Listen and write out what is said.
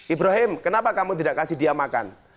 ibrahim kenapa kamu tidak kasih dia makan